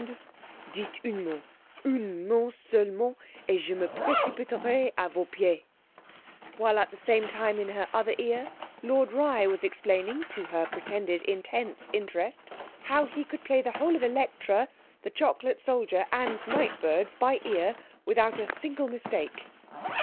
Dites un mot, un mot seulement, et je me précipiterai à vos pieds_,' while at the same time, in her other ear, Lord Rye was explaining (to her pretended intense interest) how he could play the whole of Elektra, The Chocolate Soldier and Nightbirds by ear without a single mistake.